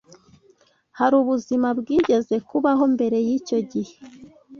hari ubuzima bwigeze kubaho mbere y’icyo gihe